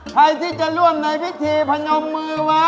ใครที่จะร่วมในพิธีพนมมือไว้